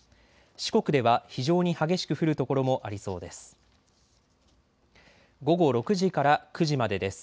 四国では非常に激しく降る所もありそうです。